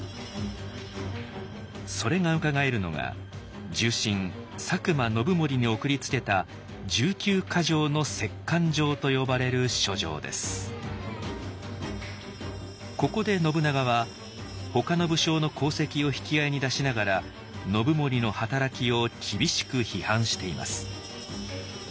それがうかがえるのが重臣佐久間信盛に送りつけたここで信長はほかの武将の功績を引き合いに出しながら信盛の働きを厳しく批判しています。